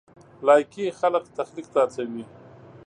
لایکي خلک تخلیق ته هڅوي.